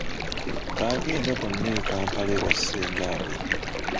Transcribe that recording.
Baagenda bonna e Kampala ewa ssenga bwe.